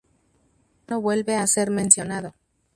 Ya no vuelve a ser mencionado.